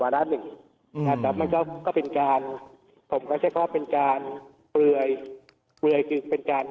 วารัสหนึ่งอันนั้นมันก็เป็นการผมก็เฉพาะเป็นการเปลือเลยเป็น